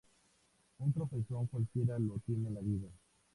Un tropezón cualquiera lo tiene en la vida